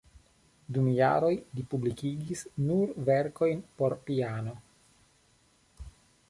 Dum jaroj li publikigis nur verkojn por piano.